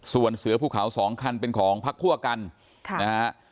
ส่วนเสือผู้ขาว๒คันเป็นของพักคั่วกันนะฮะ